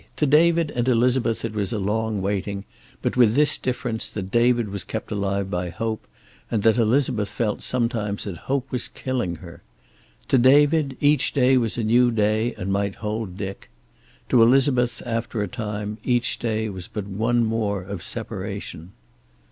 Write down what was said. To David and Elizabeth it was a long waiting, but with this difference, that David was kept alive by hope, and that Elizabeth felt sometimes that hope was killing her. To David each day was a new day, and might hold Dick. To Elizabeth, after a time, each day was but one more of separation.